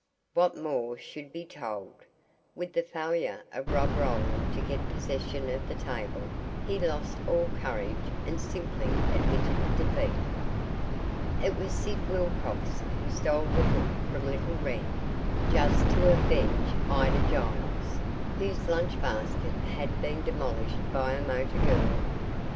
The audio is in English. What more should be told? With the failure of Rob Roland to get possession of the table he lost all courage and simply admitted defeat. It was Sid Wilcox who stole the book from little Wren just to avenge Ida Giles, whose lunch basket had been demolished by a motor girl.